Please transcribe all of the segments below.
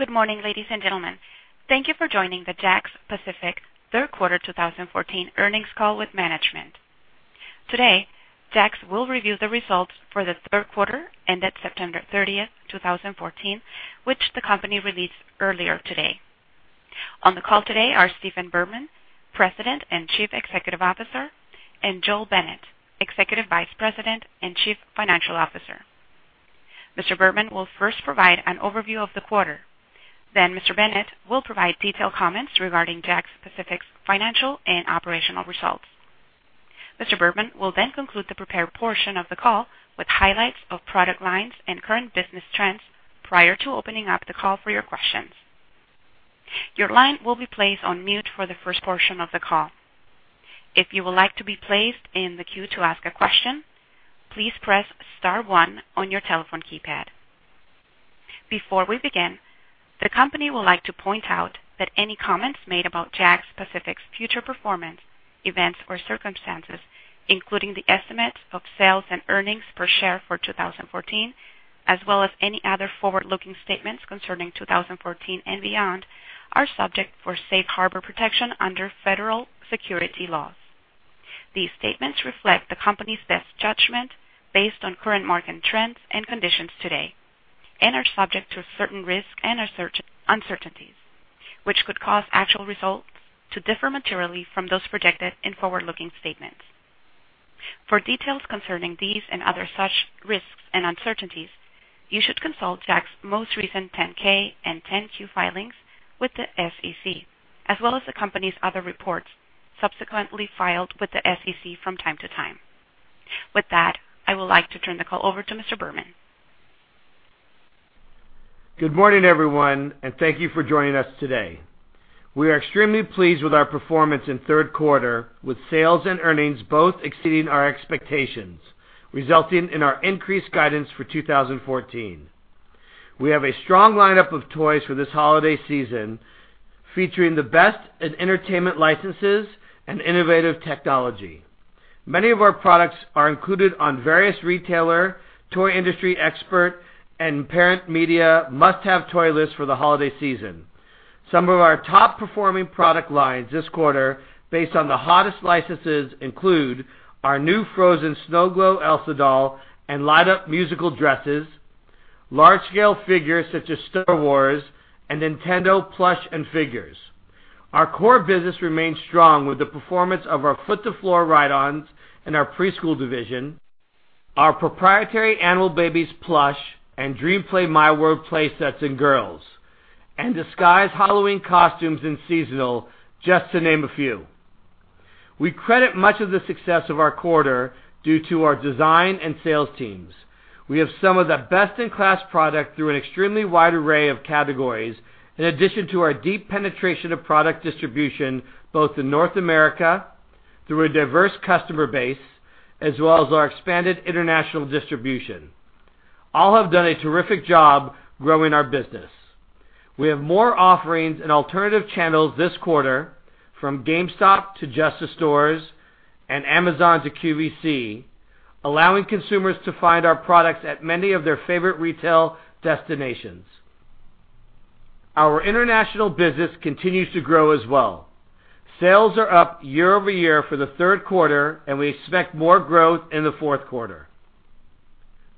Good morning, ladies and gentlemen. Thank you for joining the JAKKS Pacific third quarter 2014 earnings call with management. Today, JAKKS will review the results for the third quarter ended September 30th, 2014, which the company released earlier today. On the call today are Stephen Berman, President and Chief Executive Officer, and Joel Bennett, Executive Vice President and Chief Financial Officer. Mr. Berman will first provide an overview of the quarter. Mr. Bennett will provide detailed comments regarding JAKKS Pacific's financial and operational results. Mr. Berman will conclude the prepared portion of the call with highlights of product lines and current business trends prior to opening up the call for your questions. Your line will be placed on mute for the first portion of the call. If you would like to be placed in the queue to ask a question, please press *1 on your telephone keypad. Before we begin, the company would like to point out that any comments made about JAKKS Pacific's future performance, events or circumstances, including the estimates of sales and earnings per share for 2014, as well as any other forward-looking statements concerning 2014 and beyond, are subject for safe harbor protection under federal security laws. These statements reflect the company's best judgment based on current market trends and conditions today and are subject to certain risks and uncertainties, which could cause actual results to differ materially from those projected in forward-looking statements. For details concerning these and other such risks and uncertainties, you should consult JAKKS' most recent 10-K and 10-Q filings with the SEC, as well as the company's other reports subsequently filed with the SEC from time to time. With that, I would like to turn the call over to Mr. Berman. Good morning, everyone, and thank you for joining us today. We are extremely pleased with our performance in third quarter, with sales and earnings both exceeding our expectations, resulting in our increased guidance for 2014. We have a strong lineup of toys for this holiday season, featuring the best in entertainment licenses and innovative technology. Many of our products are included on various retailer, toy industry expert, and parent media must-have toy lists for the holiday season. Some of our top-performing product lines this quarter, based on the hottest licenses, include our new Frozen Snow Glow Elsa doll and light-up musical dresses, large-scale figures such as Star Wars and Nintendo plush and figures. Our core business remains strong with the performance of our foot-to-floor ride-ons in our preschool division, our proprietary Animal Babies plush and DreamPlay miWorld play sets in girls, and Disguise Halloween costumes and seasonal, just to name a few. We credit much of the success of our quarter due to our design and sales teams. We have some of the best-in-class product through an extremely wide array of categories, in addition to our deep penetration of product distribution both in North America through a diverse customer base, as well as our expanded international distribution. All have done a terrific job growing our business. We have more offerings in alternative channels this quarter, from GameStop to Justice Stores and Amazon to QVC, allowing consumers to find our products at many of their favorite retail destinations. Our international business continues to grow as well. Sales are up year-over-year for the third quarter, and we expect more growth in the fourth quarter.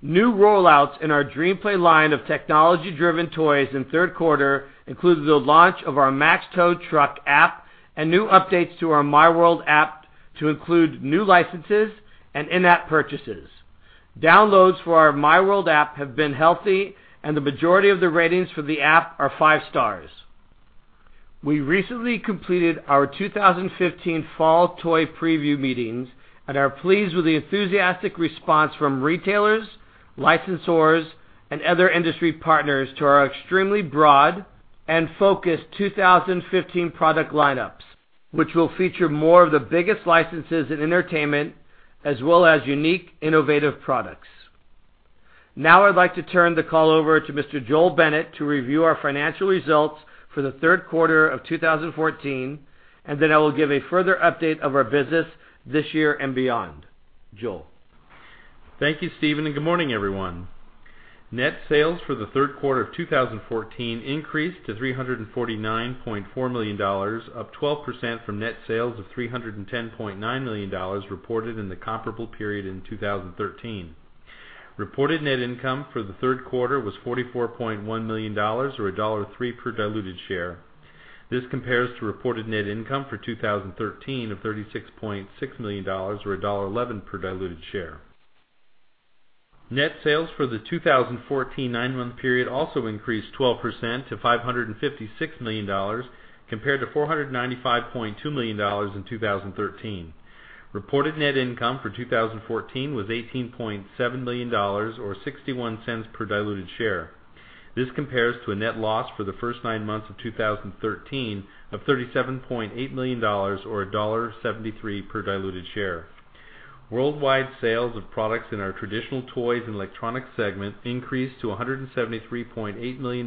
New rollouts in our DreamPlay line of technology-driven toys in the third quarter included the launch of our Max Tow Truck app and new updates to our miWorld app to include new licenses and in-app purchases. Downloads for our miWorld app have been healthy, and the majority of the ratings for the app are 5 stars. We recently completed our 2015 Fall Toy Preview meetings and are pleased with the enthusiastic response from retailers, licensors, and other industry partners to our extremely broad and focused 2015 product lineups, which will feature more of the biggest licenses in entertainment, as well as unique, innovative products. Now I'd like to turn the call over to Mr. Joel Bennett to review our financial results for the third quarter of 2014, and then I will give a further update of our business this year and beyond. Joel. Thank you, Stephen, and good morning, everyone. Net sales for the third quarter of 2014 increased to $349.4 million, up 12% from net sales of $310.9 million reported in the comparable period in 2013. Reported net income for the third quarter was $44.1 million, or $1.03 per diluted share. This compares to reported net income for 2013 of $36.6 million, or $1.11 per diluted share. Net sales for the 2014 nine-month period also increased 12% to $556 million, compared to $495.2 million in 2013. Reported net income for 2014 was $18.7 million, or $0.61 per diluted share. This compares to a net loss for the first nine months of 2013 of $37.8 million, or $1.73 per diluted share. Worldwide sales of products in our traditional toys and electronics segment increased to $173.8 million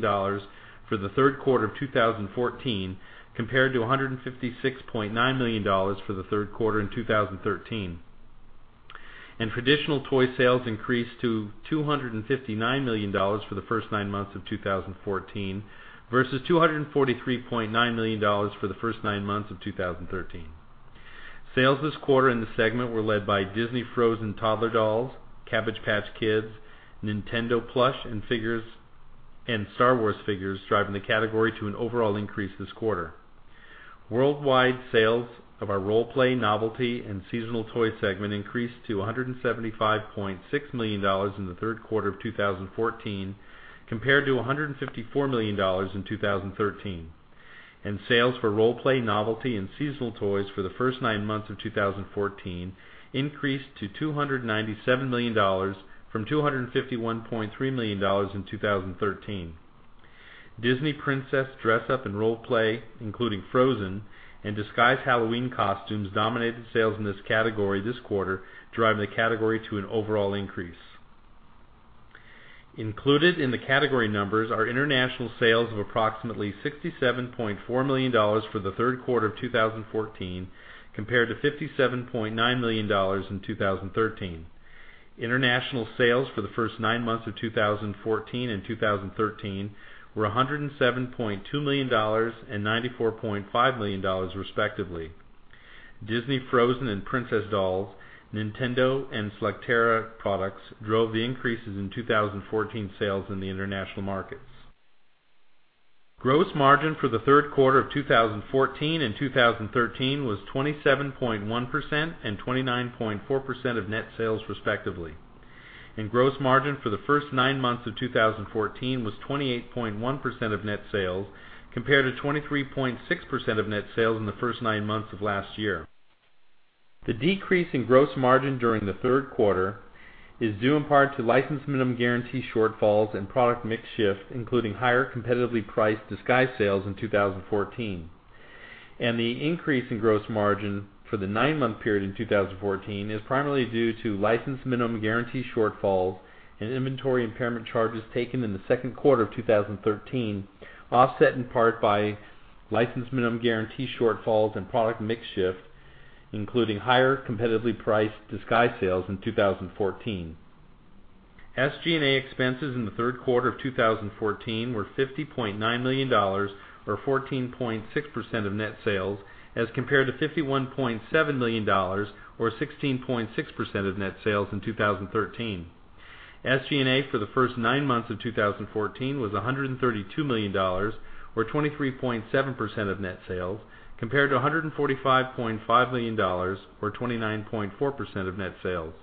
for the third quarter of 2014, compared to $156.9 million for the third quarter in 2013. Traditional toy sales increased to $259 million for the first nine months of 2014 versus $243.9 million for the first nine months of 2013. Sales this quarter in the segment were led by Disney Frozen toddler dolls, Cabbage Patch Kids, Nintendo plush and figures, and Star Wars figures, driving the category to an overall increase this quarter. Worldwide sales of our role-play, novelty, and seasonal toy segment increased to $175.6 million in the third quarter of 2014, compared to $154 million in 2013. Sales for role-play, novelty, and seasonal toys for the first nine months of 2014 increased to $297 million from $251.3 million in 2013. Disney Princess dress up and role play, including Frozen and Disguise Halloween costumes, dominated sales in this category this quarter, driving the category to an overall increase. Included in the category numbers are international sales of approximately $67.4 million for the third quarter of 2014, compared to $57.9 million in 2013. International sales for the first nine months of 2014 and 2013 were $107.2 million and $94.5 million, respectively. Disney Frozen and Princess dolls, Nintendo, and Selecta products drove the increases in 2014 sales in the international markets. Gross margin for the third quarter of 2014 and 2013 was 27.1% and 29.4% of net sales, respectively. Gross margin for the first nine months of 2014 was 28.1% of net sales, compared to 23.6% of net sales in the first nine months of last year. The decrease in gross margin during the third quarter is due in part to license minimum guarantee shortfalls and product mix shift, including higher competitively priced Disguise sales in 2014. The increase in gross margin for the nine-month period in 2014 is primarily due to license minimum guarantee shortfalls and inventory impairment charges taken in the second quarter of 2013, offset in part by license minimum guarantee shortfalls and product mix shift, including higher competitively priced Disguise sales in 2014. SG&A expenses in the third quarter of 2014 were $50.9 million, or 14.6% of net sales, as compared to $51.7 million, or 16.6% of net sales in 2013. SG&A for the first nine months of 2014 was $132 million, or 23.7% of net sales, compared to $145.5 million, or 29.4% of net sales.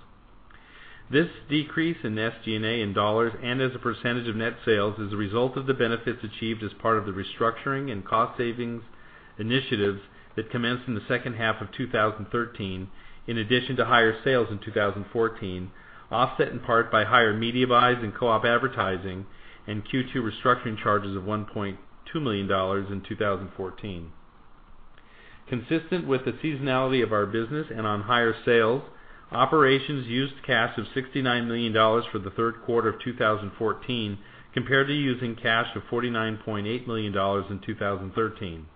This decrease in SG&A in dollars and as a percentage of net sales is a result of the benefits achieved as part of the restructuring and cost savings initiatives that commenced in the second half of 2013, in addition to higher sales in 2014, offset in part by higher media buys and co-op advertising and Q2 restructuring charges of $1.2 million in 2014. Consistent with the seasonality of our business and on higher sales, operations used cash of $69 million for the third quarter of 2014, compared to using cash of $49.8 million in 2013.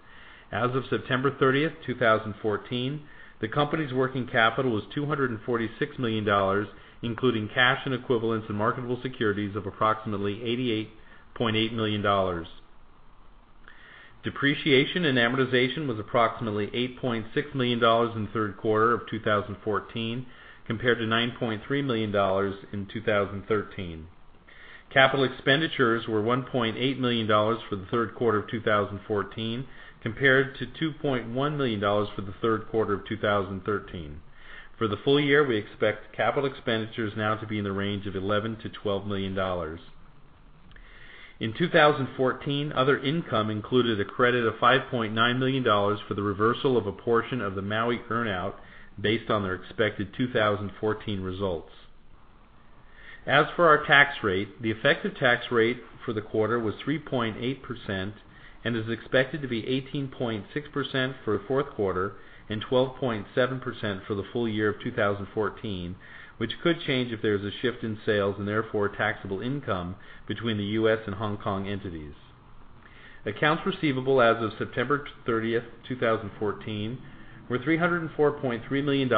As of September 30th, 2014, the company's working capital was $246 million, including cash and equivalents in marketable securities of approximately $88.8 million. Depreciation and amortization was approximately $8.6 million in the third quarter of 2014, compared to $9.3 million in 2013. Capital expenditures were $1.8 million for the third quarter of 2014, compared to $2.1 million for the third quarter of 2013. For the full year, we expect capital expenditures now to be in the range of $11 million to $12 million. In 2014, other income included a credit of $5.9 million for the reversal of a portion of the Maui earn-out based on their expected 2014 results. As for our tax rate, the effective tax rate for the quarter was 3.8% and is expected to be 18.6% for the fourth quarter and 12.7% for the full year of 2014, which could change if there is a shift in sales and therefore taxable income between the U.S. and Hong Kong entities. Accounts receivable as of September 30th, 2014 were $304.3 million,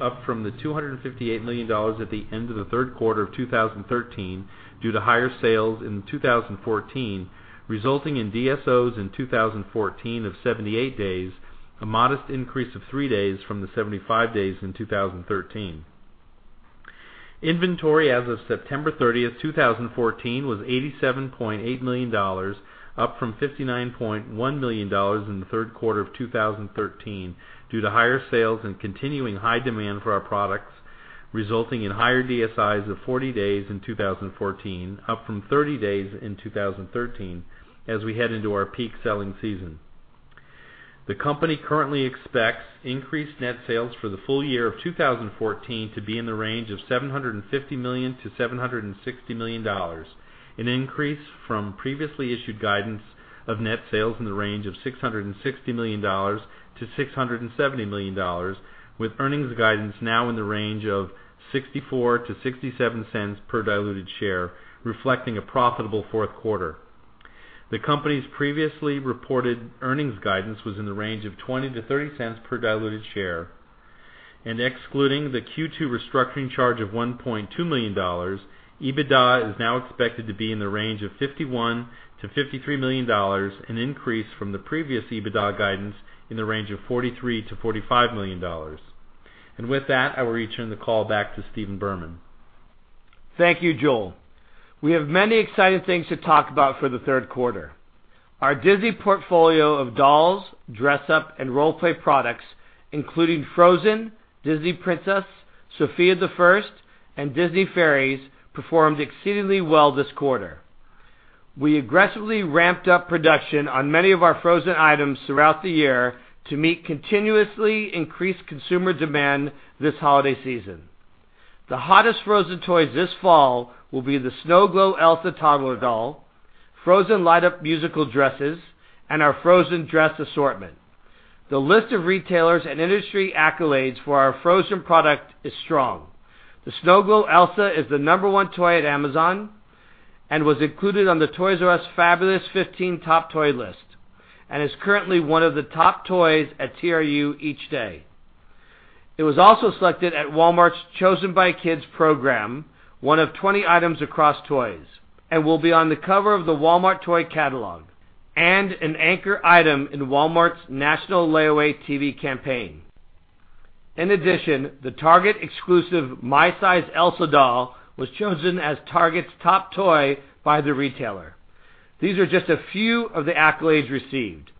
up from the $258 million at the end of the third quarter of 2013 due to higher sales in 2014, resulting in DSOs in 2014 of 78 days, a modest increase of three days from the 75 days in 2013. Inventory as of September 30th, 2014 was $87.8 million, up from $59.1 million in the third quarter of 2013 due to higher sales and continuing high demand for our products, resulting in higher DSIs of 40 days in 2014, up from 30 days in 2013 as we head into our peak selling season. The company currently expects increased net sales for the full year of 2014 to be in the range of $750 million to $760 million, an increase from previously issued guidance of net sales in the range of $660 million to $670 million, with earnings guidance now in the range of $0.64 to $0.67 per diluted share, reflecting a profitable fourth quarter. The company's previously reported earnings guidance was in the range of $0.20 to $0.30 per diluted share. Excluding the Q2 restructuring charge of $1.2 million, EBITDA is now expected to be in the range of $51 million to $53 million, an increase from the previous EBITDA guidance in the range of $43 million to $45 million. With that, I will return the call back to Stephen Berman. Thank you, Joel. We have many exciting things to talk about for the third quarter. Our Disney portfolio of dolls, dress up, and role play products, including Frozen, Disney Princess, Sofia the First, and Disney Fairies, performed exceedingly well this quarter. We aggressively ramped up production on many of our Frozen items throughout the year to meet continuously increased consumer demand this holiday season. The hottest Frozen toys this fall will be the Snow Glow Elsa toddler doll, Frozen light-up musical dresses, and our Frozen dress assortment. The list of retailers and industry accolades for our Frozen product is strong. The Snow Glow Elsa is the number one toy at Amazon and was included on the Toys R Us Fabulous 15 Top Toy list, and is currently one of the top toys at TRU each day. It was also selected at Walmart's Chosen by Kids Program, one of 20 items across toys, and will be on the cover of the Walmart toy catalog and an anchor item in Walmart's national layaway TV campaign. The Target exclusive My Size Elsa doll was chosen as Target's top toy by the retailer. These are just a few of the accolades received.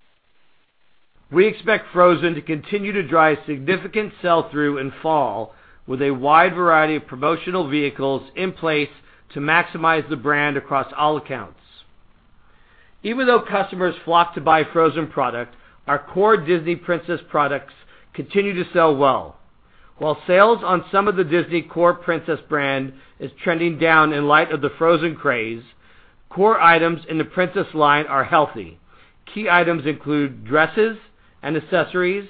We expect Frozen to continue to drive significant sell-through in fall, with a wide variety of promotional vehicles in place to maximize the brand across all accounts. Even though customers flock to buy Frozen product, our core Disney Princess products continue to sell well. While sales on some of the Disney core Princess brand is trending down in light of the Frozen craze, core items in the Princess line are healthy. Key items include dresses and accessories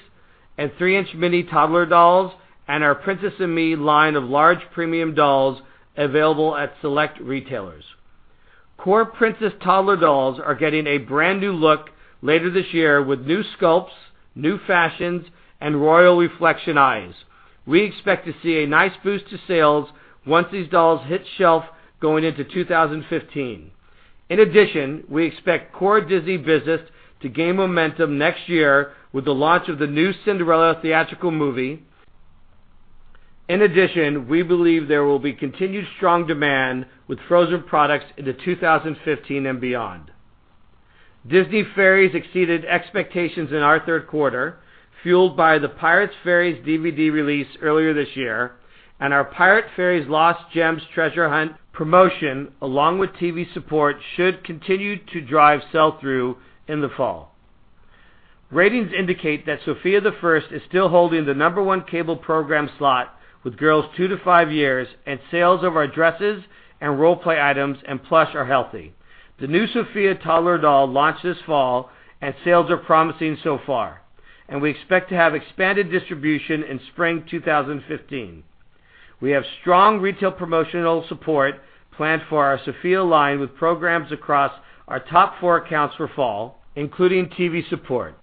and three-inch mini toddler dolls and our Princess & Me line of large premium dolls available at select retailers. Core Princess toddler dolls are getting a brand-new look later this year with new sculpts, new fashions, and royal reflection eyes. We expect to see a nice boost to sales once these dolls hit shelf going into 2015. In addition, we expect core Disney business to gain momentum next year with the launch of the new Cinderella theatrical movie. In addition, we believe there will be continued strong demand with Frozen products into 2015 and beyond. Disney Fairies exceeded expectations in our third quarter, fueled by The Pirate Fairy DVD release earlier this year, and our Pirate Fairies Lost Gems Treasure Hunt promotion, along with TV support, should continue to drive sell-through in the fall. Ratings indicate that Sofia the First is still holding the number one cable program slot with girls two to five years, and sales of our dresses and role play items and plush are healthy. The new Sofia toddler doll launched this fall, and sales are promising so far, and we expect to have expanded distribution in spring 2015. We have strong retail promotional support planned for our Sofia line with programs across our top four accounts for fall, including TV support.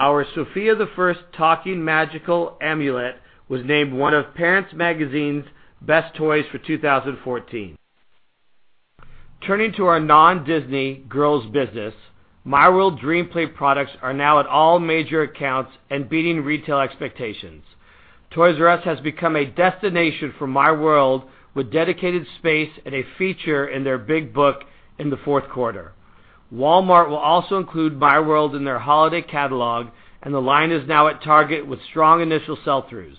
Our Sofia the First talking magical amulet was named one of Parents Magazine's best toys for 2014. Turning to our non-Disney girls business, miWorld DreamPlay products are now at all major accounts and beating retail expectations. Toys R Us has become a destination for miWorld, with dedicated space and a feature in their big book in the fourth quarter. Walmart will also include miWorld in their holiday catalog, and the line is now at Target with strong initial sell-throughs.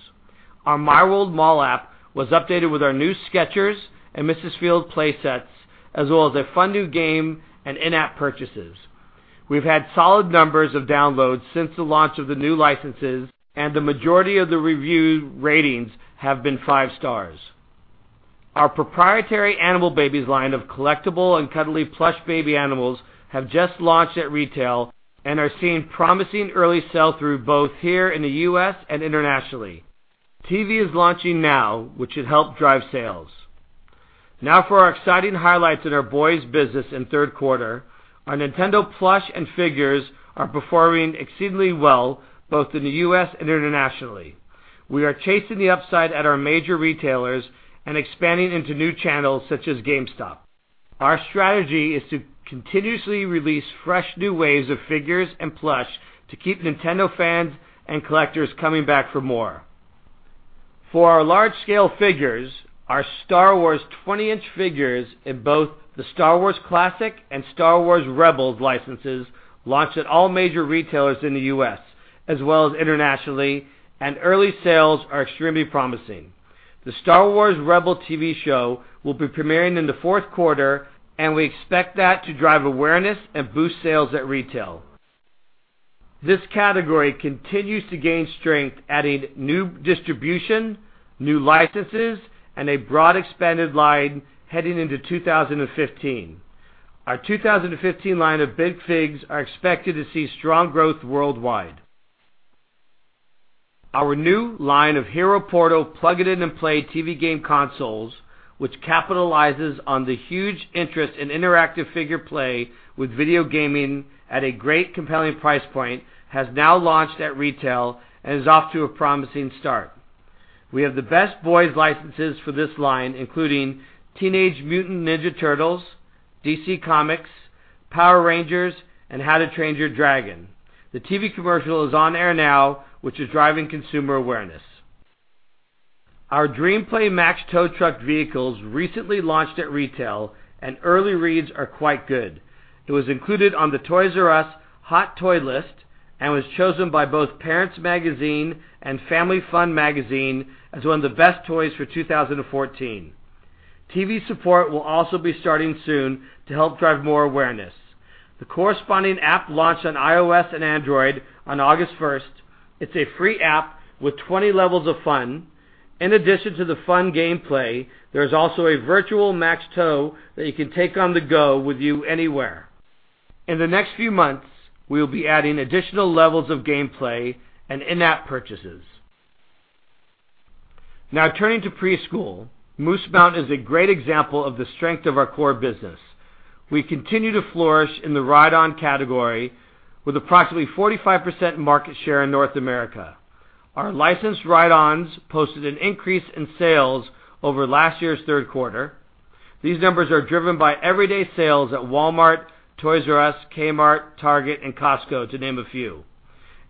Our miWorld Mall app was updated with our new Skechers and Mrs. Fields play sets, as well as a fun new game and in-app purchases. We've had solid numbers of downloads since the launch of the new licenses, and the majority of the review ratings have been five stars. Our proprietary Animal Babies line of collectible and cuddly plush baby animals have just launched at retail and are seeing promising early sell-through both here in the U.S. and internationally. TV is launching now, which should help drive sales. Now for our exciting highlights in our boys business in third quarter. Our Nintendo plush and figures are performing exceedingly well both in the U.S. and internationally. We are chasing the upside at our major retailers and expanding into new channels such as GameStop. Our strategy is to continuously release fresh new waves of figures and plush to keep Nintendo fans and collectors coming back for more. For our large-scale figures, our Star Wars 20-inch figures in both the Star Wars Classic and Star Wars Rebels licenses launched at all major retailers in the U.S., as well as internationally, and early sales are extremely promising. The Star Wars Rebels TV show will be premiering in the fourth quarter, and we expect that to drive awareness and boost sales at retail. This category continues to gain strength, adding new distribution, new licenses, and a broad expanded line heading into 2015. Our 2015 line of Big Figs are expected to see strong growth worldwide. Our new line of Hero Portal plug-it-in-and-play TV game consoles, which capitalizes on the huge interest in interactive figure play with video gaming at a great compelling price point, has now launched at retail and is off to a promising start. We have the best boys licenses for this line, including Teenage Mutant Ninja Turtles, DC Comics, Power Rangers, and How to Train Your Dragon. The TV commercial is on air now, which is driving consumer awareness. Our DreamPlay Max Tow Truck vehicles recently launched at retail, and early reads are quite good. It was included on the Toys R Us Hot Toy list and was chosen by both Parents Magazine and Family Fun Magazine as one of the best toys for 2014. TV support will also be starting soon to help drive more awareness. The corresponding app launched on iOS and Android on August 1st. It's a free app with 20 levels of fun. In addition to the fun gameplay, there is also a virtual Max Tow that you can take on the go with you anywhere. In the next few months, we will be adding additional levels of gameplay and in-app purchases. Now turning to preschool. Moose Mountain is a great example of the strength of our core business. We continue to flourish in the ride-on category with approximately 45% market share in North America. Our licensed ride-ons posted an increase in sales over last year's third quarter. These numbers are driven by everyday sales at Walmart, Toys R Us, Kmart, Target, and Costco, to name a few.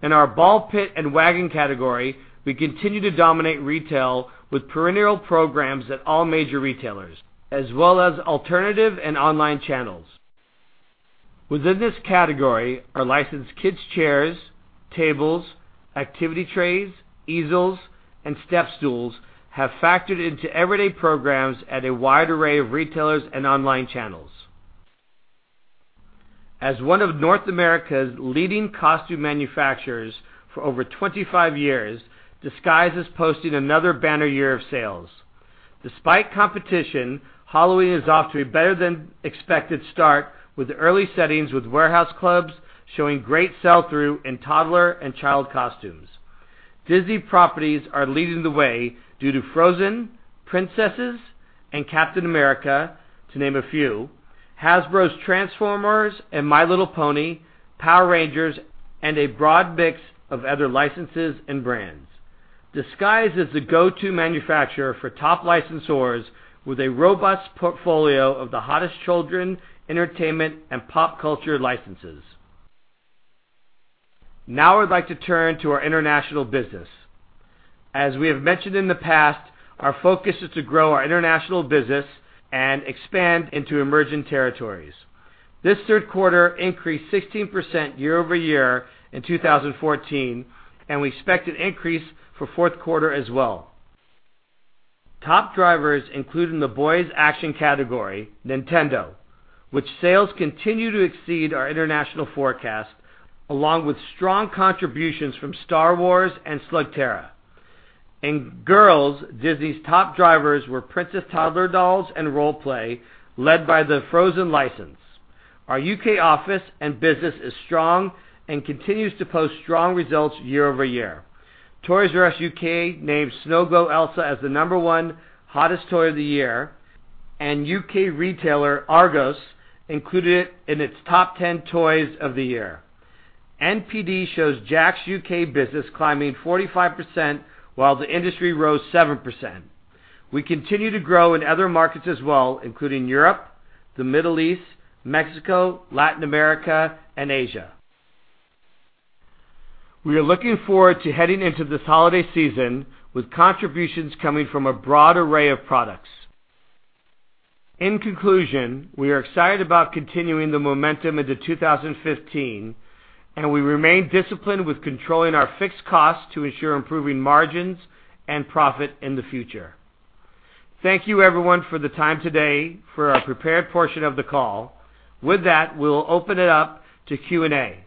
In our ball pit and wagon category, we continue to dominate retail with perennial programs at all major retailers, as well as alternative and online channels. Within this category, our licensed kids' chairs, tables, activity trays, easels, and step stools have factored into everyday programs at a wide array of retailers and online channels. As one of North America's leading costume manufacturers for over 25 years, Disguise is posting another banner year of sales. Despite competition, Halloween is off to a better-than-expected start with early settings with warehouse clubs showing great sell-through in toddler and child costumes. Disney properties are leading the way due to Frozen, Princesses, and Captain America, to name a few, Hasbro's Transformers and My Little Pony, Power Rangers, and a broad mix of other licenses and brands. Disguise is the go-to manufacturer for top licensors with a robust portfolio of the hottest children, entertainment, and pop culture licenses. Now I'd like to turn to our international business. As we have mentioned in the past, our focus is to grow our international business and expand into emerging territories. This third quarter increased 16% year-over-year in 2014, and we expect an increase for fourth quarter as well. Top drivers include in the boys' action category, Nintendo, which sales continue to exceed our international forecast, along with strong contributions from Star Wars and Slugterra. In girls, Disney's top drivers were princess toddler dolls and role play led by the Frozen license. Our U.K. office and business is strong and continues to post strong results year-over-year. Toys R Us U.K. named Snow Glow Elsa as the number one hottest toy of the year, and U.K. retailer Argos included it in its top 10 toys of the year. NPD shows JAKKS' U.K. business climbing 45% while the industry rose 7%. We continue to grow in other markets as well, including Europe, the Middle East, Mexico, Latin America, and Asia. We are looking forward to heading into this holiday season with contributions coming from a broad array of products. In conclusion, we are excited about continuing the momentum into 2015, and we remain disciplined with controlling our fixed costs to ensure improving margins and profit in the future. Thank you, everyone, for the time today for our prepared portion of the call. With that, we'll open it up to Q&A.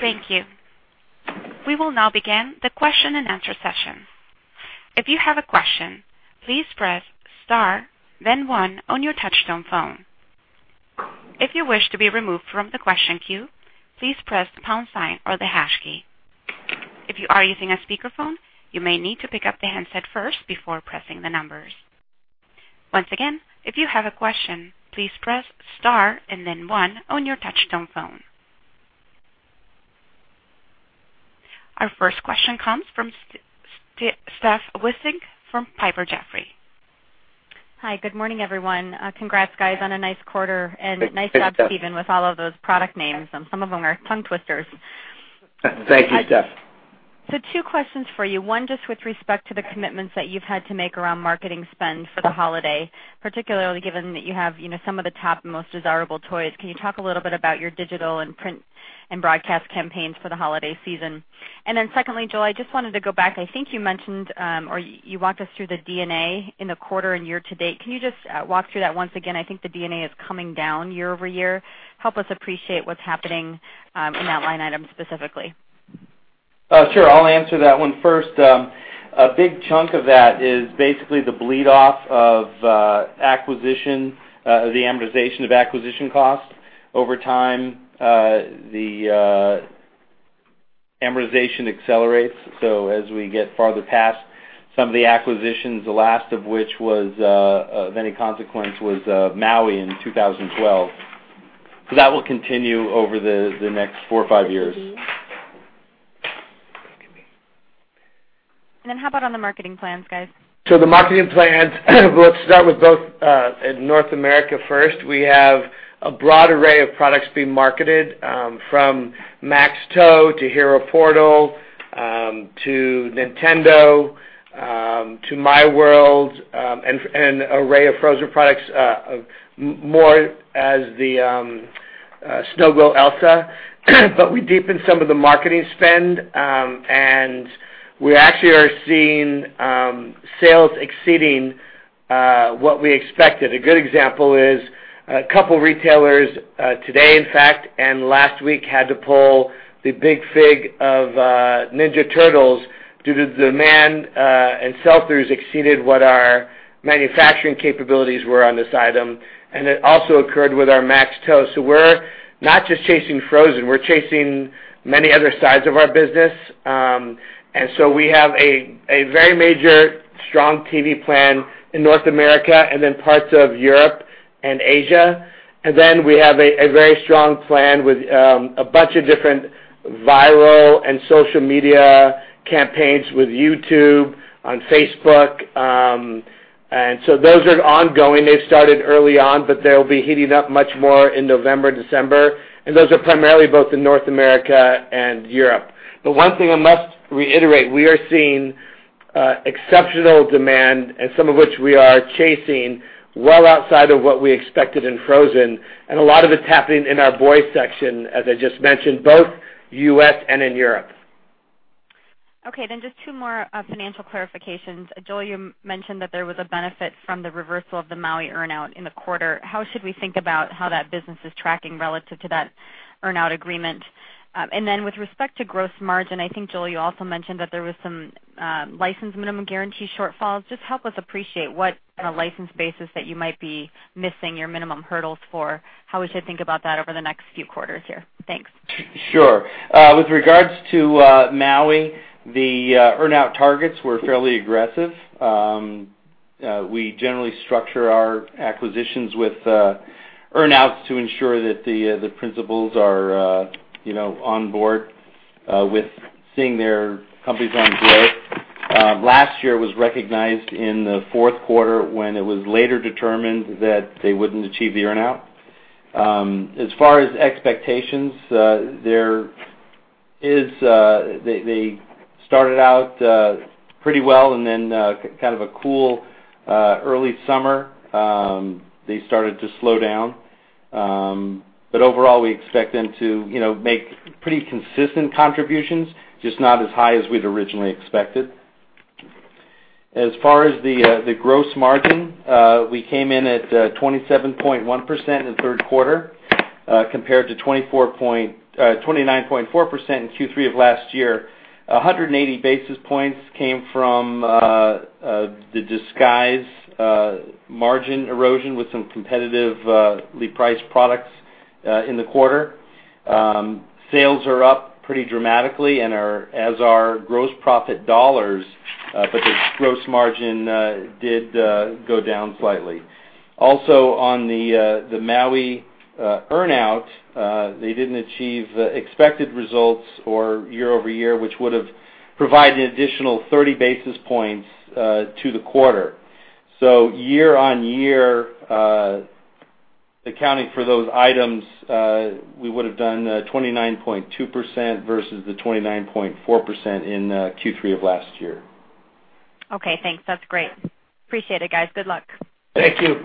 Thank you. We will now begin the question and answer session. If you have a question, please press star then one on your touchtone phone. If you wish to be removed from the question queue, please press the pound sign or the hash key. If you are using a speakerphone, you may need to pick up the handset first before pressing the numbers. Once again, if you have a question, please press star and then one on your touchtone phone. Our first question comes from Stephanie Wissink from Piper Jaffray. Hi. Good morning, everyone. Congrats, guys, on a nice quarter and nice job- Hey, Steph Stephen, with all of those product names. Some of them are tongue twisters. Thank you, Steph. Two questions for you. One, just with respect to the commitments that you've had to make around marketing spend for the holiday, particularly given that you have some of the top and most desirable toys. Can you talk a little bit about your digital and print and broadcast campaigns for the holiday season? Secondly, Joel, I just wanted to go back. I think you mentioned, or you walked us through the D&A in the quarter and year to date. Can you just walk through that once again? I think the D&A is coming down year-over-year. Help us appreciate what's happening in that line item specifically. Sure. I'll answer that one first. A big chunk of that is basically the bleed-off of acquisition, the amortization of acquisition costs. Over time, the amortization accelerates. As we get farther past some of the acquisitions, the last of which of any consequence was Maui in 2012. That will continue over the next four or five years. How about on the marketing plans, guys? The marketing plans, let's start with both in North America first. We have a broad array of products being marketed, from Max Tow to Hero Portal, to Nintendo, to miWorld, and an array of Frozen products, more as the Snow Glow Elsa. We deepened some of the marketing spend, and we actually are seeing sales exceeding what we expected. A good example is a couple of retailers today, in fact, and last week, had to pull the Big Fig of Teenage Mutant Ninja Turtles due to demand, and sell-throughs exceeded what our manufacturing capabilities were on this item. It also occurred with our Max Tows, who were not just chasing Frozen, we're chasing many other sides of our business. We have a very major strong TV plan in North America and then parts of Europe and Asia. We have a very strong plan with a bunch of different viral and social media campaigns with YouTube, on Facebook. Those are ongoing. They started early on, they'll be heating up much more in November, December. Those are primarily both in North America and Europe. One thing I must reiterate, we are seeing exceptional demand, and some of which we are chasing well outside of what we expected in Frozen. A lot of it's happening in our boys section, as I just mentioned, both U.S. and in Europe. Okay, just two more financial clarifications. Joel, you mentioned that there was a benefit from the reversal of the Maui earn-out in the quarter. How should we think about how that business is tracking relative to that earn-out agreement? And with respect to gross margin, I think, Joel, you also mentioned that there was some license minimum guarantee shortfalls. Just help us appreciate what on a license basis that you might be missing your minimum hurdles for, how we should think about that over the next few quarters here. Thanks. Sure. With regards to Maui, the earn-out targets were fairly aggressive. We generally structure our acquisitions with earn-outs to ensure that the principals are on board with seeing their companies on growth. Last year, it was recognized in the fourth quarter when it was later determined that they wouldn't achieve the earn-out. As far as expectations, they started out pretty well, and then kind of a cool early summer, they started to slow down. Overall, we expect them to make pretty consistent contributions, just not as high as we'd originally expected. As far as the gross margin, we came in at 27.1% in the third quarter compared to 29.4% in Q3 of last year. 180 basis points came from the Disguise margin erosion with some competitively priced products in the quarter. Sales are up pretty dramatically and as are gross profit dollars, the gross margin did go down slightly. Also, on the Maui earn-out, they didn't achieve expected results for year-over-year, which would have provided additional 30 basis points to the quarter. Year on year, accounting for those items, we would have done 29.2% versus the 29.4% in Q3 of last year. Okay, thanks. That's great. Appreciate it, guys. Good luck. Thank you.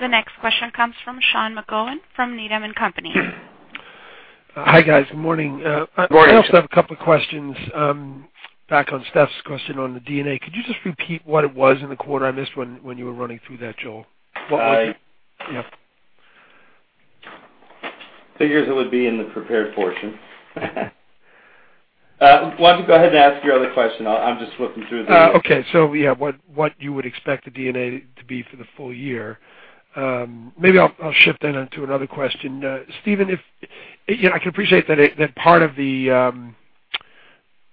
The next question comes from Sean McGowan from Needham & Company. Hi, guys. Good morning. Morning. I also have a couple questions back on Steph's question on the D&A. Could you just repeat what it was in the quarter on this when you were running through that, Joel? Figures it would be in the prepared portion. Why don't you go ahead and ask your other question. I'm just flipping through the- Yeah, what you would expect the D&A to be for the full year. Maybe I'll shift onto another question. Stephen, I can appreciate that part of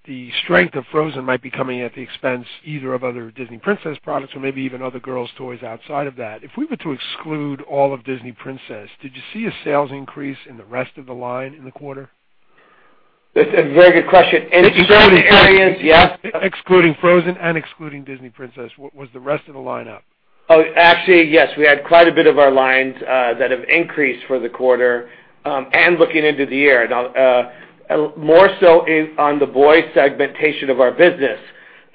the strength of Frozen might be coming at the expense either of other Disney Princess products or maybe even other girls' toys outside of that. If we were to exclude all of Disney Princess, did you see a sales increase in the rest of the line in the quarter? That's a very good question. In certain areas, yes. Excluding Frozen and excluding Disney Princess, what was the rest of the line up? Actually, yes. We had quite a bit of our lines that have increased for the quarter, and looking into the year. More so on the boys segmentation of our business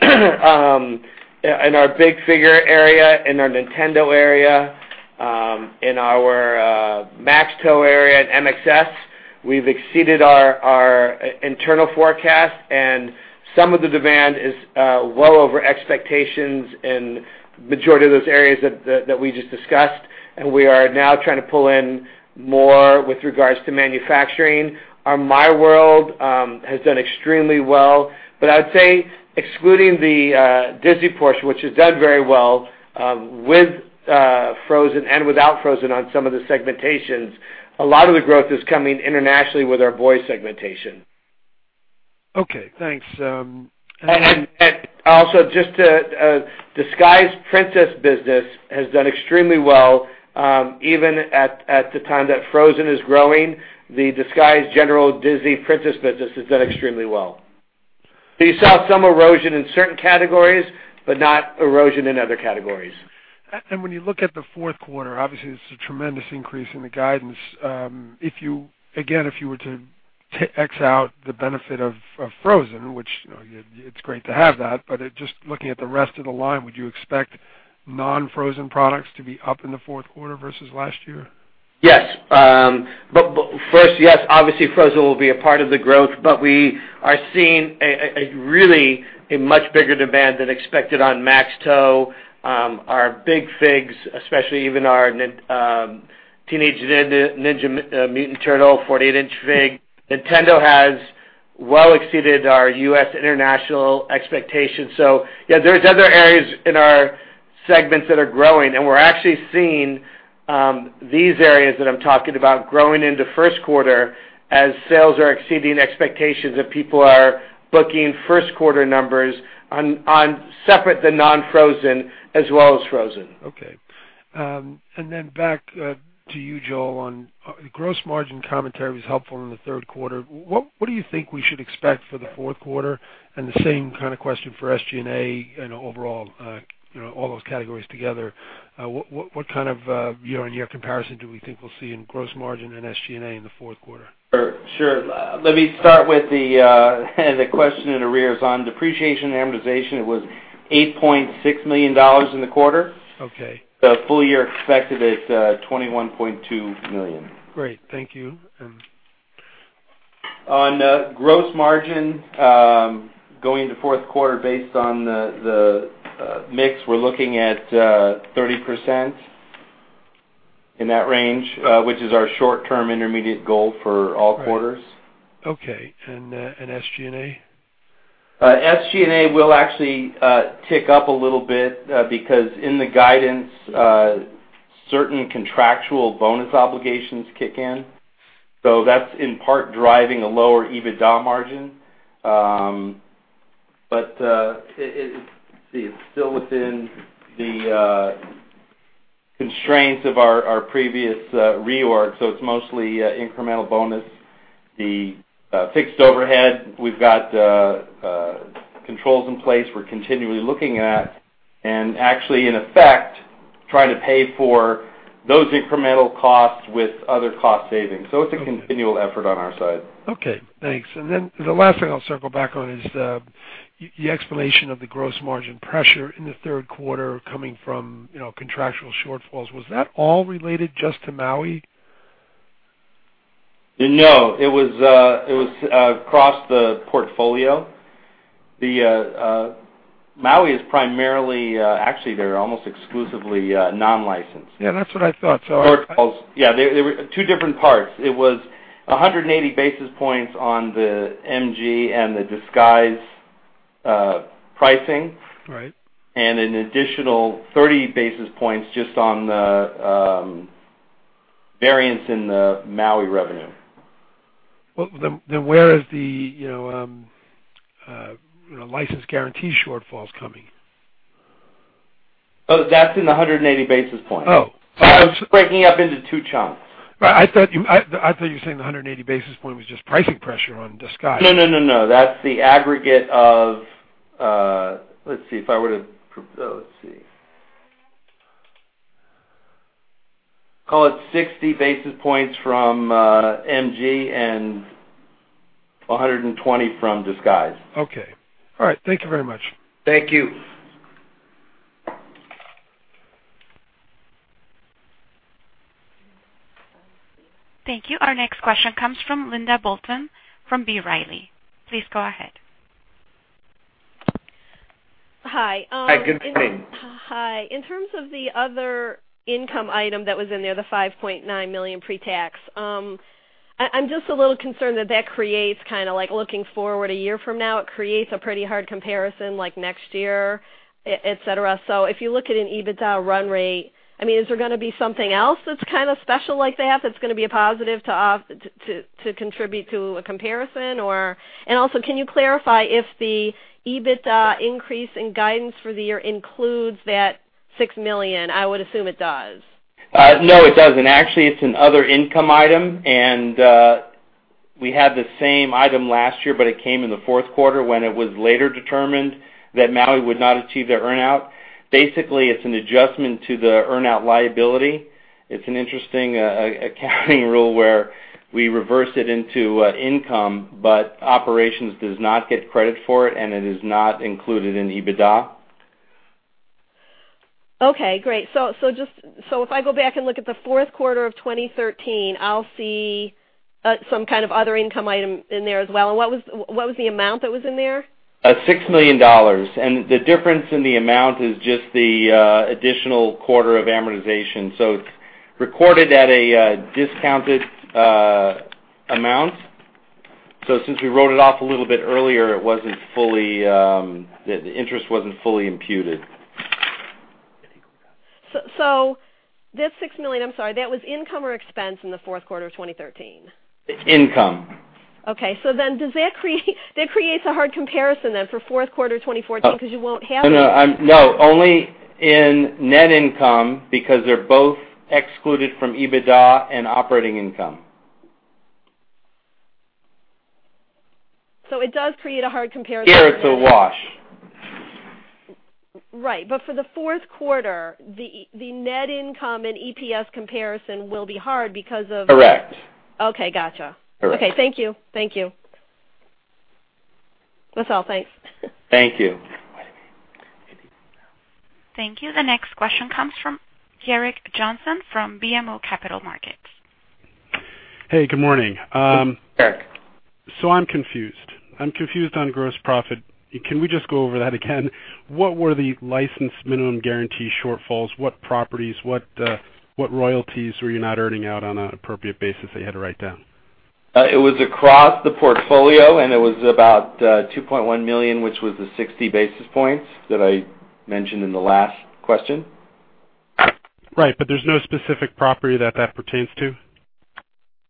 in our Big Figs area, in our Nintendo area, in our Max Tow area at MXS. We've exceeded our internal forecast, and some of the demand is well over expectations in the majority of those areas that we just discussed. We are now trying to pull in more with regards to manufacturing. Our miWorld has done extremely well. I would say excluding the Disney portion, which has done very well, with Frozen and without Frozen on some of the segmentations, a lot of the growth is coming internationally with our boy segmentation. Okay, thanks. Also, Disguise Disney Princess business has done extremely well, even at the time that Frozen is growing, the Disguise general Disney Princess business has done extremely well. You saw some erosion in certain categories, but not erosion in other categories. When you look at the fourth quarter, obviously, it's a tremendous increase in the guidance. Again, if you were to X out the benefit of Frozen, which it's great to have that, but just looking at the rest of the line, would you expect non-Frozen products to be up in the fourth quarter versus last year? Yes. First, yes, obviously, Frozen will be a part of the growth, but we are seeing a really much bigger demand than expected on Max Tow. Our Big Figs, especially even our Teenage Mutant Ninja Turtle 48-inch fig. Nintendo has well exceeded our U.S. international expectations. Yeah, there's other areas in our segments that are growing, and we're actually seeing these areas that I'm talking about growing into first quarter as sales are exceeding expectations and people are booking first-quarter numbers on separate the non-Frozen as well as Frozen. Okay. Back to you, Joel, on gross margin commentary was helpful in the third quarter. What do you think we should expect for the fourth quarter? The same kind of question for SG&A and overall, all those categories together. What kind of year-on-year comparison do we think we'll see in gross margin and SG&A in the fourth quarter? Sure. Let me start with the question in arrears. On depreciation and amortization, it was $8.6 million in the quarter. Okay. The full year expected is $21.2 million. Great. Thank you. On gross margin, going into fourth quarter based on the mix, we're looking at 30% in that range, which is our short-term intermediate goal for all quarters. Right. Okay. SG&A? SG&A will actually tick up a little bit because in the guidance, certain contractual bonus obligations kick in. That's in part driving a lower EBITDA margin. Let's see, it's still within the constraints of our previous reorg, it's mostly incremental bonus. The fixed overhead, we've got controls in place we're continually looking at, actually, in effect, trying to pay for those incremental costs with other cost savings. It's a continual effort on our side. Okay, thanks. Then the last thing I'll circle back on is your explanation of the gross margin pressure in the third quarter coming from contractual shortfalls. Was that all related just to Maui? No. It was across the portfolio. Maui is primarily, actually, they're almost exclusively non-licensed. Yeah, that's what I thought. Yeah. There were two different parts. It was 180 basis points on the MG and the Disguise pricing. Right. Additional 30 basis points just on the variance in the Maui revenue. Where is the license guarantee shortfalls coming? That's in the 180 basis point. Oh. I was breaking it up into two chunks. I thought you were saying the 180 basis point was just pricing pressure on Disguise. No, that's the aggregate of Let's see. Call it 60 basis points from MG and 120 from Disguise. Okay. All right. Thank you very much. Thank you. Thank you. Our next question comes from Linda Bolton from B. Riley. Please go ahead. Hi. Hi, good morning. Hi. In terms of the other income item that was in there, the $5.9 million pre-tax, I'm just a little concerned that that creates kind of like looking forward a year from now, it creates a pretty hard comparison like next year, et cetera. If you look at an EBITDA run rate, is there going to be something else that's kind of special like that's going to be a positive to contribute to a comparison? Also, can you clarify if the EBITDA increase in guidance for the year includes that $6 million? I would assume it does. No, it doesn't. Actually, it's an other income item. We had the same item last year, it came in the fourth quarter when it was later determined that Maui would not achieve their earn-out. Basically, it's an adjustment to the earn-out liability. It's an interesting accounting rule where we reverse it into income, operations does not get credit for it is not included in EBITDA. Okay, great. If I go back and look at the fourth quarter of 2013, I'll see some kind of other income item in there as well. What was the amount that was in there? $6 million. The difference in the amount is just the additional quarter of amortization. It's recorded at a discounted amount. Since we wrote it off a little bit earlier, the interest wasn't fully imputed. That $6 million, I'm sorry, that was income or expense in the fourth quarter of 2013. Income. Okay. That creates a hard comparison then for fourth quarter 2014 because you won't have it. No, only in net income because they're both excluded from EBITDA and operating income. It does create a hard comparison. Here it's a wash. Right. For the fourth quarter, the net income and EPS comparison will be hard. Correct. Okay. Gotcha. Correct. Okay. Thank you. That's all. Thanks. Thank you. Thank you. The next question comes from Gerrick Johnson from BMO Capital Markets. Hey, good morning. Gerrick. I'm confused. I'm confused on gross profit. Can we just go over that again? What were the licensed minimum guarantee shortfalls? What properties, what royalties were you not earning out on an appropriate basis that you had to write down? It was across the portfolio, and it was about $2.1 million, which was the 60 basis points that I mentioned in the last question. Right. There's no specific property that that pertains to?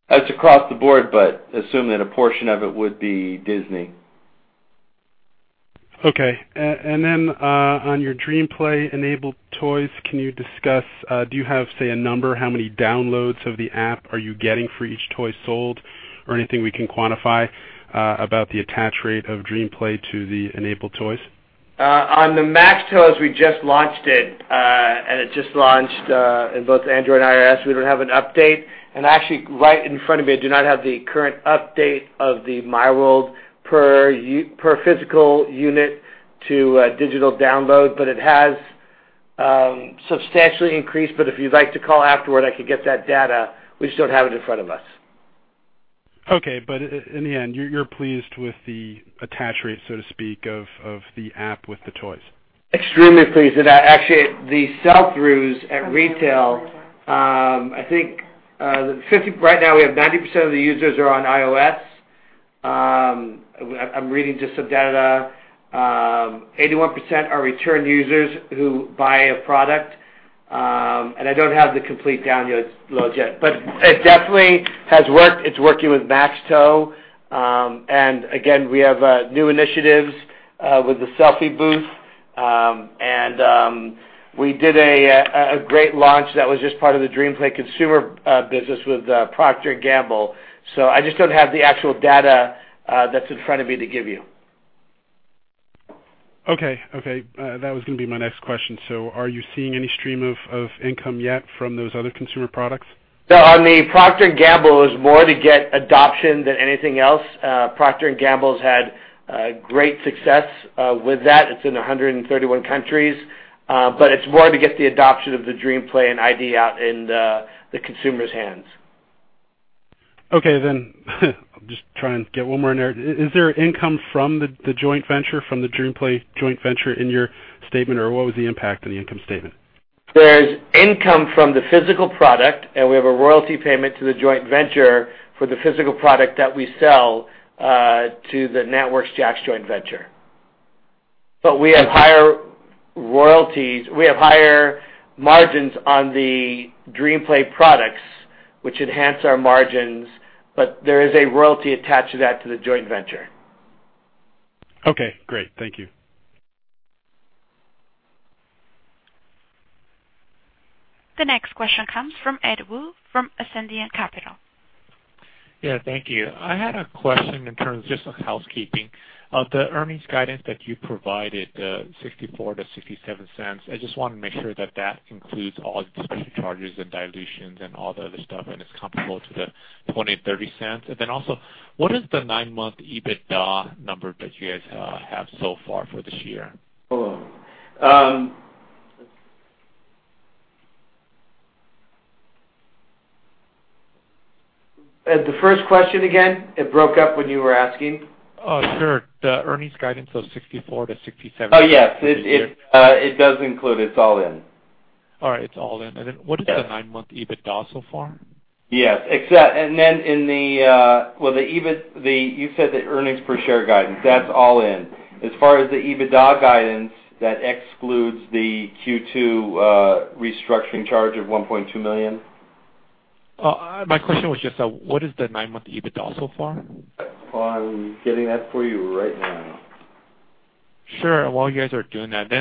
It's across the board, assume that a portion of it would be Disney. Okay. Then, on your DreamPlay-enabled toys, can you discuss, do you have, say, a number how many downloads of the app are you getting for each toy sold or anything we can quantify about the attach rate of DreamPlay to the enabled toys? On the Max Tow, we just launched it. It just launched, in both Android and iOS. We don't have an update. Actually, right in front of me, I do not have the current update of the miWorld per physical unit to digital download, it has substantially increased. If you'd like to call afterward, I could get that data. We just don't have it in front of us. Okay. In the end, you're pleased with the attach rate, so to speak, of the app with the toys. Extremely pleased with that. Actually, the sell-throughs at retail, I think right now we have 90% of the users are on iOS. I'm reading just some data. 81% are return users who buy a product. I don't have the complete download yet, but it definitely has worked. It's working with Max Tow. Again, we have new initiatives with the Selfie Booth. We did a great launch that was just part of the DreamPlay consumer business with Procter & Gamble. I just don't have the actual data that's in front of me to give you. Okay. That was going to be my next question. Are you seeing any stream of income yet from those other consumer products? No. On the Procter & Gamble, it was more to get adoption than anything else. Procter & Gamble's had great success with that. It's in 131 countries. It's more to get the adoption of the DreamPlay and ID out in the consumer's hands. Okay, I'll just try and get one more in there. Is there income from the joint venture, from the DreamPlay joint venture in your statement, or what was the impact on the income statement? There's income from the physical product, and we have a royalty payment to the joint venture for the physical product that we sell to the NantWorks JAKKS joint venture. We have higher margins on the DreamPlay products, which enhance our margins. There is a royalty attached to that to the joint venture. Okay, great. Thank you. The next question comes from Ed Woo from Ascendiant Capital. Yeah, thank you. I had a question in terms just of housekeeping. Of the earnings guidance that you provided, the $0.64-$0.67, I just want to make sure that includes all the special charges and dilutions and all the other stuff, and it's comparable to the $0.20-$0.30. Then also, what is the nine-month EBITDA number that you guys have so far for this year? Hold on. Ed, the first question again? It broke up when you were asking. Sure. The earnings guidance of $64-$67- Oh, yes. -for the year. It does include, it's all in. All right. It's all in. Then what is the nine-month EBITDA so far? Yes. You said the earnings per share guidance. That's all in. As far as the EBITDA guidance, that excludes the Q2 restructuring charge of $1.2 million. My question was just, what is the nine-month EBITDA so far? I'm getting that for you right now. Sure. While you guys are doing that,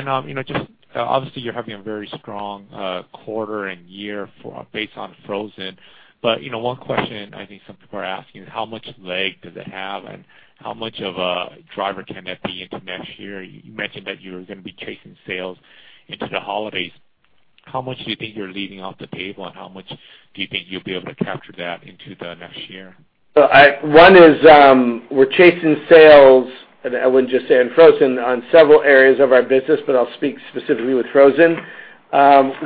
obviously, you're having a very strong quarter and year based on Frozen, but one question I think some people are asking is how much leg does it have, and how much of a driver can that be into next year? You mentioned that you were going to be chasing sales into the holidays. How much do you think you're leaving off the table, and how much do you think you'll be able to capture that into the next year? One is, we're chasing sales, and I wouldn't just say on Frozen, on several areas of our business, I'll speak specifically with Frozen.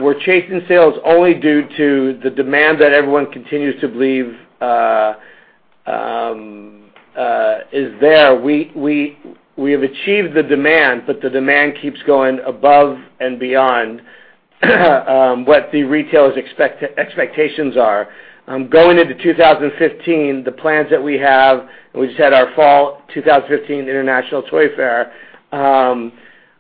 We're chasing sales only due to the demand that everyone continues to believe is there. We have achieved the demand, the demand keeps going above and beyond what the retailers' expectations are. Going into 2015, the plans that we have, we just had our Fall 2015 International Toy Fair,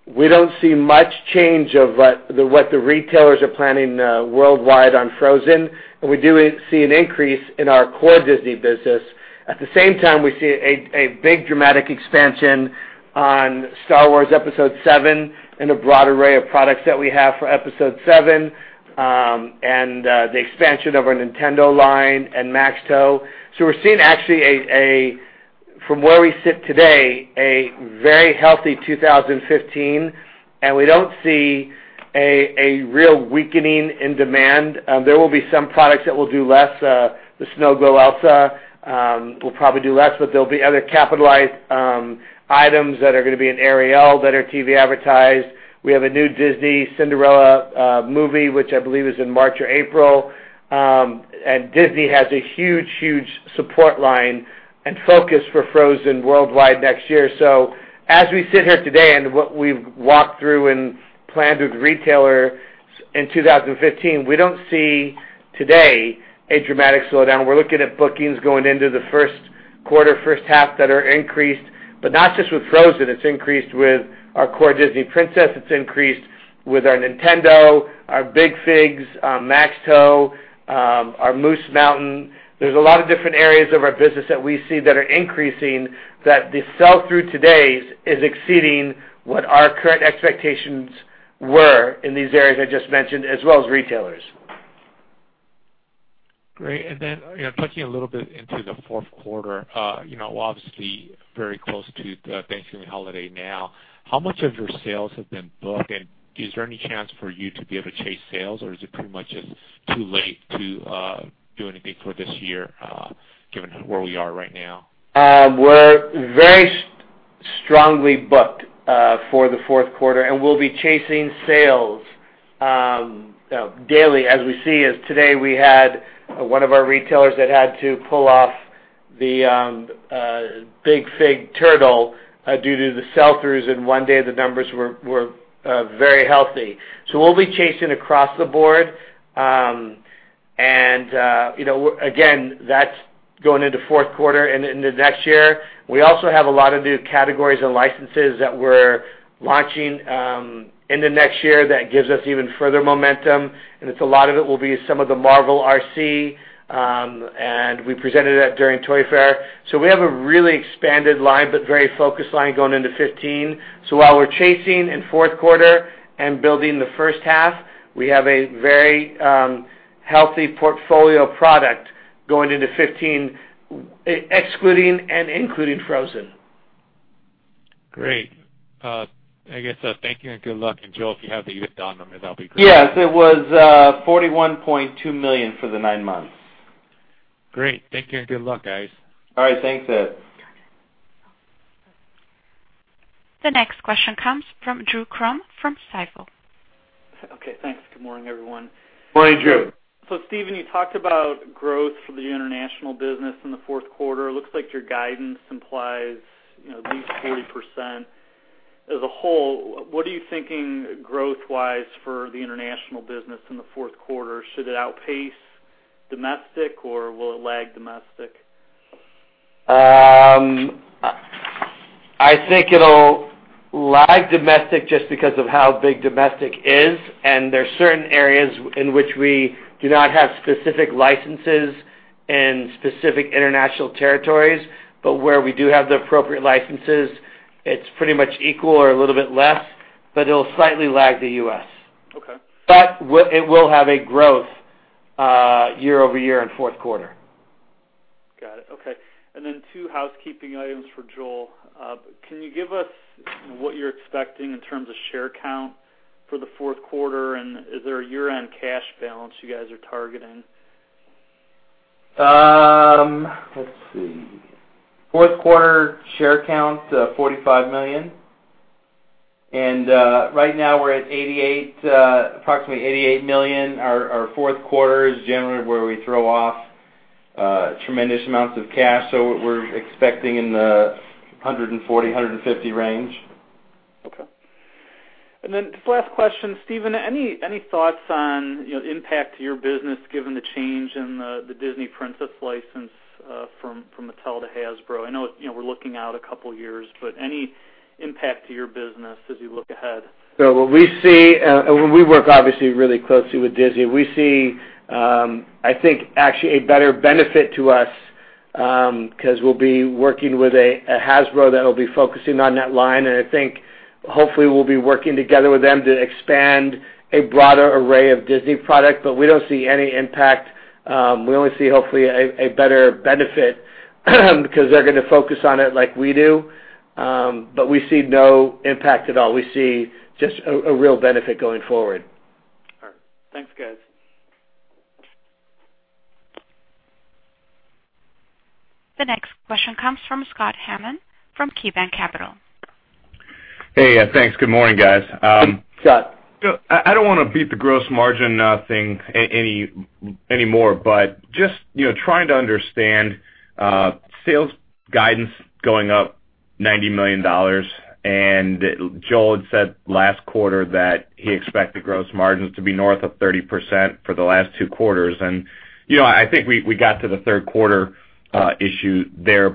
we don't see much change of what the retailers are planning worldwide on Frozen. We do see an increase in our core Disney business. At the same time, we see a big dramatic expansion on Star Wars Episode VII and a broad array of products that we have for Episode VII, the expansion of our Nintendo line and Max Tow. We're seeing actually, from where we sit today, a very healthy 2015, we don't see a real weakening in demand. There will be some products that will do less. The Snow Glow Elsa will probably do less, there'll be other capitalize items that are going to be in Ariel that are TV advertised. We have a new Disney Cinderella movie, which I believe is in March or April. Disney has a huge support line and focus for Frozen worldwide next year. As we sit here today and what we've walked through and planned with retailers in 2015, we don't see today a dramatic slowdown. We're looking at bookings going into the first quarter, first half that are increased, not just with Frozen. It's increased with our core Disney Princess, it's increased with our Nintendo, our Big Figs, our Max Tow, our Moose Mountain. There's a lot of different areas of our business that we see that are increasing, that the sell-through today is exceeding what our current expectations were in these areas I just mentioned, as well as retailers. Great. Talking a little bit into the fourth quarter, obviously very close to the Thanksgiving holiday now, how much of your sales have been booked, and is there any chance for you to be able to chase sales, or is it pretty much just too late to do anything for this year, given where we are right now? We're very strongly booked for the fourth quarter, we'll be chasing sales daily. As we see as today, we had one of our retailers that had to pull off the Big Fig turtle due to the sell-throughs, and one day the numbers were very healthy. We'll be chasing across the board. That's going into fourth quarter and into next year. We also have a lot of new categories and licenses that we're launching into next year that gives us even further momentum, a lot of it will be some of the Marvel RC, and we presented that during Toy Fair. We have a really expanded line, but very focused line going into 2015. While we're chasing in fourth quarter and building the first half, we have a very healthy portfolio of product going into 2015, excluding and including Frozen. Great. I guess, thank you and good luck. Joel, if you have the EBITDA number, that'll be great. Yes. It was $41.2 million for the nine months. Great. Take care. Good luck, guys. All right. Thanks, Ed. The next question comes from Drew Crum from Stifel. Okay. Thanks. Good morning, everyone. Morning, Drew. Stephen, you talked about growth for the international business in the fourth quarter. It looks like your guidance implies at least 40%. As a whole, what are you thinking growth-wise for the international business in the fourth quarter? Should it outpace domestic, or will it lag domestic? I think it'll lag domestic just because of how big domestic is, there's certain areas in which we do not have specific licenses in specific international territories. Where we do have the appropriate licenses, it's pretty much equal or a little bit less, it'll slightly lag the U.S. Okay. It will have a growth year-over-year in fourth quarter. Got it. Okay. Then two housekeeping items for Joel. Can you give us what you're expecting in terms of share count for the fourth quarter? Is there a year-end cash balance you guys are targeting? Let's see. Fourth quarter share count, $45 million. Right now, we're at approximately $88 million. Our fourth quarter is generally where we throw off tremendous amounts of cash, so we're expecting in the $140 million-$150 million range. Okay. Then just last question, Stephen, any thoughts on impact to your business given the change in the Disney Princess license from Mattel to Hasbro? I know we're looking out a couple of years, any impact to your business as you look ahead? What we see, and we work obviously really closely with Disney, we see, I think, actually a better benefit to us, because we'll be working with Hasbro that'll be focusing on that line, and I think hopefully we'll be working together with them to expand a broader array of Disney product. We don't see any impact. We only see, hopefully, a better benefit because they're going to focus on it like we do. We see no impact at all. We see just a real benefit going forward. All right. Thanks, guys. The next question comes from Scott Hamann from KeyBanc Capital. Hey. Thanks. Good morning, guys. Scott. I don't want to beat the gross margin thing anymore, just trying to understand sales guidance going up $90 million. Joel had said last quarter that he expected gross margins to be north of 30% for the last two quarters. I think we got to the third quarter issue there.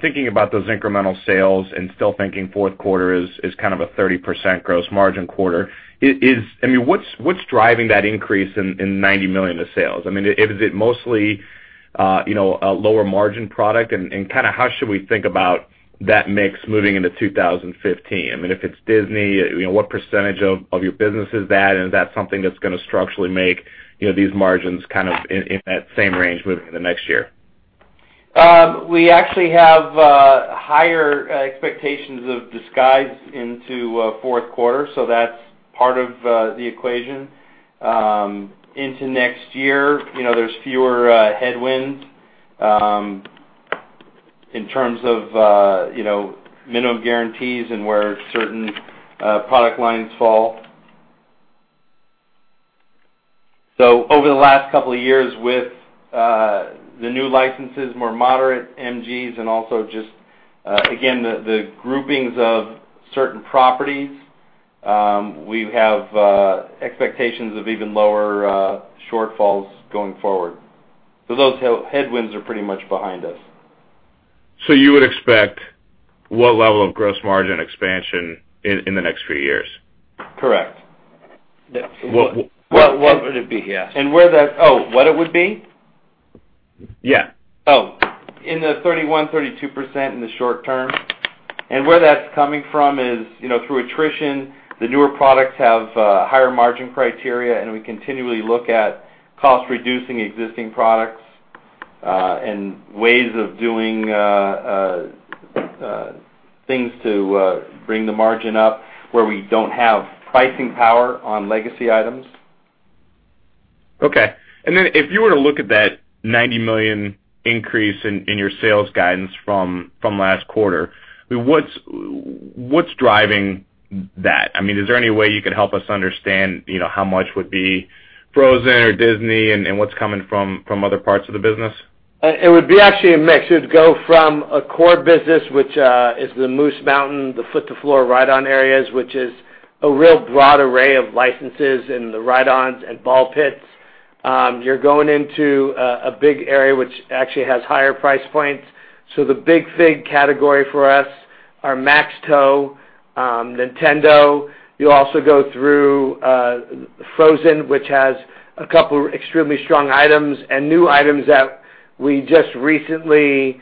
Thinking about those incremental sales and still thinking fourth quarter is kind of a 30% gross margin quarter, what's driving that increase in $90 million of sales? Is it mostly a lower margin product? How should we think about that mix moving into 2015? If it's Disney, what percentage of your business is that? Is that something that's going to structurally make these margins kind of in that same range moving into next year? We actually have higher expectations of Disguise into fourth quarter, so that's part of the equation. Into next year, there's fewer headwinds in terms of minimum guarantees and where certain product lines fall. Over the last couple of years with the new licenses, more moderate MGs, and also just, again, the groupings of certain properties, we have expectations of even lower shortfalls going forward. Those headwinds are pretty much behind us. You would expect what level of gross margin expansion in the next few years? Correct. What would it be? Yeah. Oh, what it would be? Yeah. In the 31%-32% in the short term. Where that's coming from is through attrition. The newer products have higher margin criteria, and we continually look at cost-reducing existing products and ways of doing things to bring the margin up where we don't have pricing power on legacy items. Okay. If you were to look at that $90 million increase in your sales guidance from last quarter, what's driving that? Is there any way you could help us understand how much would be Frozen or Disney and what's coming from other parts of the business? It would be actually a mix. You'd go from a core business, which is the Moose Mountain, the foot to floor ride-on areas, which is a real broad array of licenses in the ride-ons and ball pits. You're going into a big area which actually has higher price points, the Big Fig category for us, our Max Tow, Nintendo. You also go through Frozen, which has a couple extremely strong items and new items that we just recently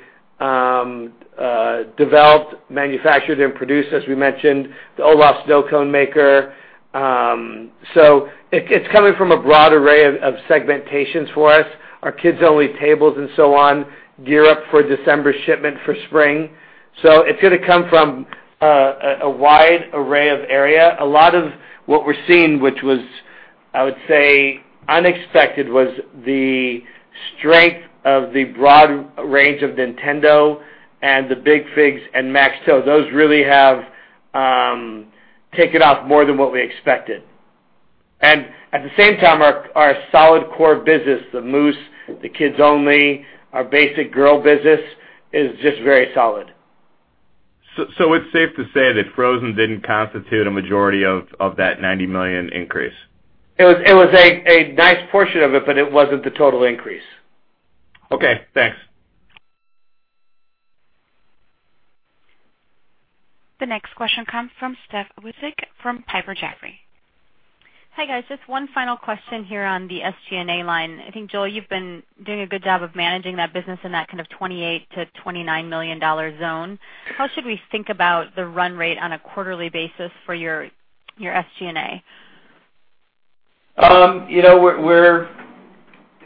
developed, manufactured, and produced, as we mentioned, the Olaf Snow Cone Maker. It's coming from a broad array of segmentations for us, our Kids Only tables and so on, gear up for December shipment for spring. It's going to come from a wide array of area. A lot of what we're seeing, which was, I would say, unexpected, was the strength of the broad range of Nintendo and the Big Figs and Max Tow. Those really have taken off more than what we expected. At the same time, our solid core business, the Moose, the Kids Only, our basic girl business, is just very solid. It's safe to say that Frozen didn't constitute a majority of that $90 million increase. It was a nice portion of it, but it wasn't the total increase. Okay, thanks. The next question comes from Steph Wissink from Piper Jaffray. Hi, guys. Just one final question here on the SG&A line. I think, Joel, you've been doing a good job of managing that business in that kind of $28 million-$29 million zone. How should we think about the run rate on a quarterly basis for your SG&A?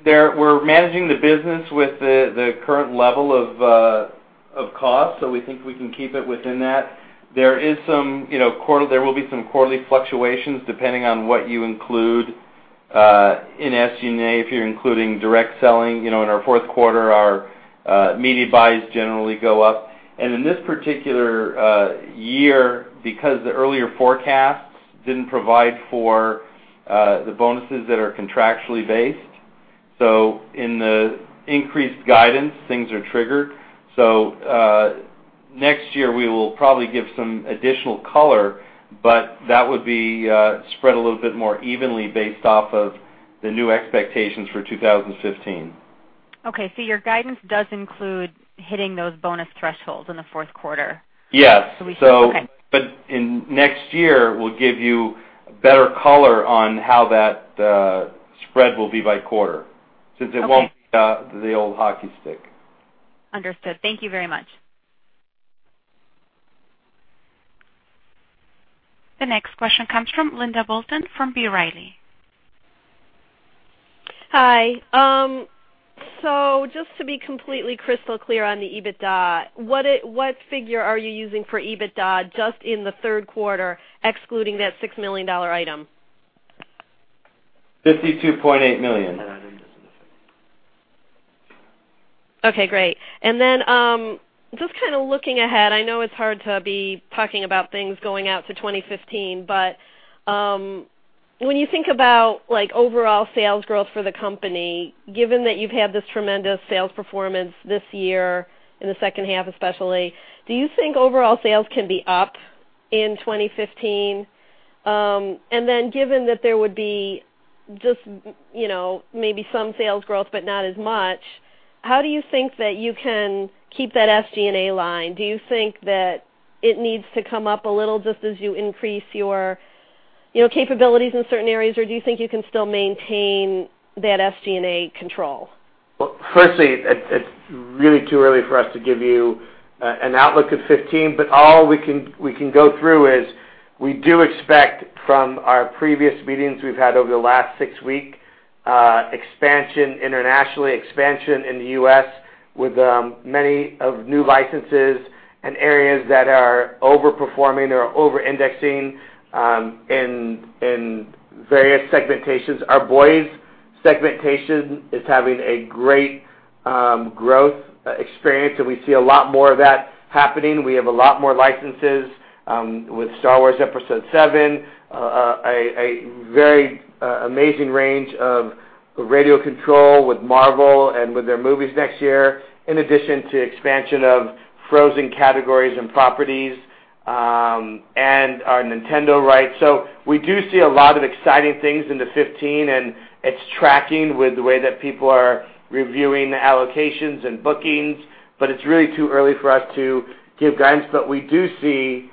We're managing the business with the current level of cost. We think we can keep it within that. There will be some quarterly fluctuations depending on what you include in SG&A, if you're including direct selling. In our fourth quarter, our media buys generally go up. In this particular year, because the earlier forecasts didn't provide for the bonuses that are contractually based, so in the increased guidance, things are triggered. Next year, we will probably give some additional color, but that would be spread a little bit more evenly based off of the new expectations for 2015. Okay, your guidance does include hitting those bonus thresholds in the fourth quarter? Yes. Okay. In next year, we'll give you better color on how that spread will be by quarter, since it won't be the old hockey stick. Understood. Thank you very much. The next question comes from Linda Bolton from B. Riley. Hi. Just to be completely crystal clear on the EBITDA, what figure are you using for EBITDA just in the third quarter, excluding that $6 million item? $52.8 million. Okay, great. Just kind of looking ahead, I know it's hard to be talking about things going out to 2015, but, when you think about overall sales growth for the company, given that you've had this tremendous sales performance this year, in the second half especially, do you think overall sales can be up in 2015? Given that there would be just maybe some sales growth, but not as much, how do you think that you can keep that SG&A line? Do you think that it needs to come up a little just as you increase your capabilities in certain areas, or do you think you can still maintain that SG&A control? Firstly, it's really too early for us to give you an outlook of 2015, but all we can go through is we do expect from our previous meetings we've had over the last six weeks, expansion internationally, expansion in the U.S. with many of new licenses and areas that are over-performing or over-indexing in various segmentations. Our boys' segmentation is having a great growth experience, and we see a lot more of that happening. We have a lot more licenses, with Star Wars Episode VII, a very amazing range of radio control with Marvel and with their movies next year, in addition to expansion of Frozen categories and properties, and our Nintendo rights. We do see a lot of exciting things into 2015, and it's tracking with the way that people are reviewing the allocations and bookings, but it's really too early for us to give guidance. We do see,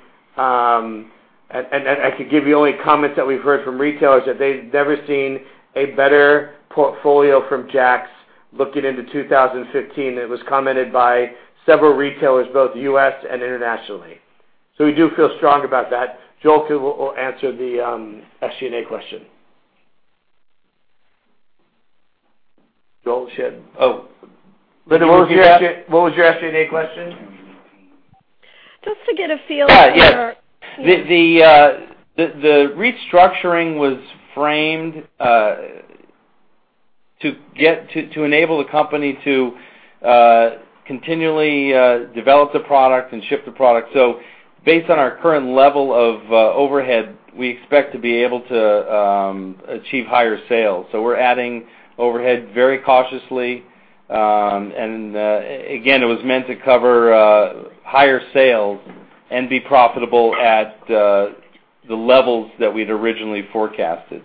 and I could give you only comments that we've heard from retailers, that they've never seen a better portfolio from JAKKS looking into 2015. It was commented by several retailers, both U.S. and internationally. We do feel strong about that. Joel will answer the SG&A question. Joel, what was your SG&A question? Just to get a feel for- Yes. The restructuring was framed, to enable the company to continually develop the product and ship the product. Based on our current level of overhead, we expect to be able to achieve higher sales. We're adding overhead very cautiously. Again, it was meant to cover higher sales and be profitable at the levels that we'd originally forecasted.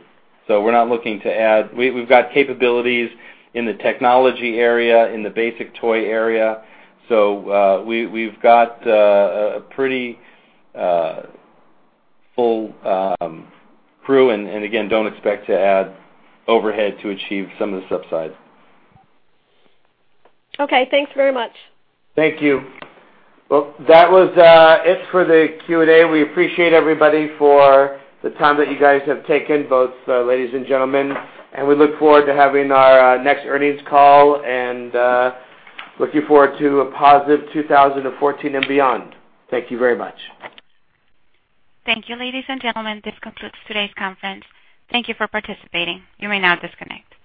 We're not looking to add. We've got capabilities in the technology area, in the basic toy area. We've got a pretty full crew, and again, don't expect to add overhead to achieve some of this upside. Okay. Thanks very much. Thank you. Well, that was it for the Q&A. We appreciate everybody for the time that you guys have taken, both ladies and gentlemen, and we look forward to having our next earnings call and looking forward to a positive 2014 and beyond. Thank you very much. Thank you, ladies and gentlemen. This concludes today's conference. Thank you for participating. You may now disconnect.